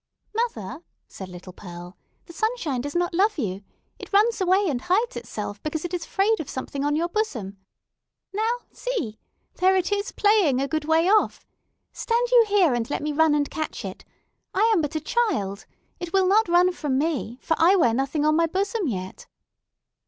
"Mother," said little Pearl, "the sunshine does not love you. It runs away and hides itself, because it is afraid of something on your bosom. Now, see! There it is, playing a good way off. Stand you here, and let me run and catch it. I am but a child. It will not flee from me—for I wear nothing on my bosom yet!"